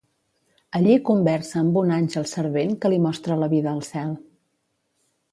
Allí conversa amb un àngel servent que li mostra la vida al cel.